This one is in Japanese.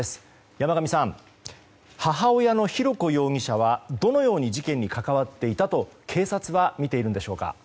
山上さん、母親の浩子容疑者はどのように事件に関わっていたと警察はみているんでしょうか。